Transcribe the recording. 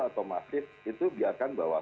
atau masif itu biarkan bahwa